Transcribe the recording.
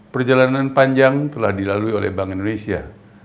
perjalanan panjang telah dilalui oleh bank indonesia